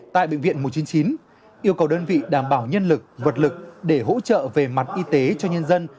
tại bệnh viện một trăm chín mươi chín yêu cầu đơn vị đảm bảo nhân lực vật lực để hỗ trợ về mặt y tế cho nhân dân